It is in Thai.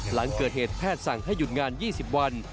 หลังเกิดเหตุแพทย์สั่งให้หยุดงาน๒๐วัน